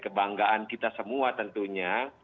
kebanggaan kita semua tentunya